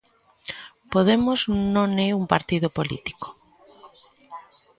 Podemos non é un partido político.